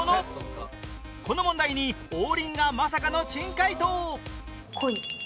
この問題に王林がまさかの珍回答